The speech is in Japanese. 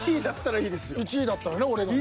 １位だったらね俺がね。